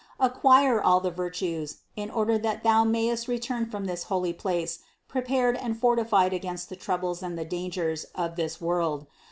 Acquire all the virtues, in order that thou mayest return from this holy place pre pared and fortified against the troubles and the dangers of this world.